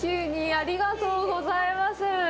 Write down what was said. ありがとうございます。